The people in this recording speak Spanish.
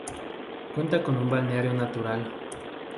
Cuenta con un balneario natural.